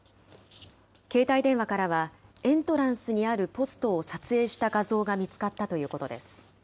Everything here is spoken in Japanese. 携帯電話からは、エントランスにあるポストを撮影した画像が見つかったということです。